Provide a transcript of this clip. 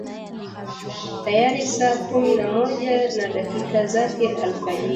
Tayari saa kumi na moja na dakika zake alfajiri